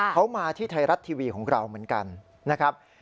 เขามาที่ไทยรัฐทีวีของเราเหมือนกันนะครับ